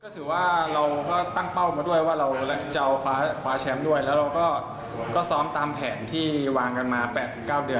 ต่อมาครั้งนี้เขาก็ต้องเปลี่ยนการเล่น